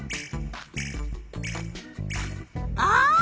あ！